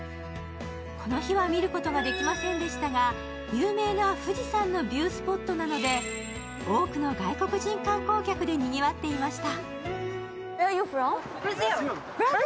この日は見ることができませんでしたが、有名な富士山のビュースポットなので、多くの外国人観光客でにぎわっていました。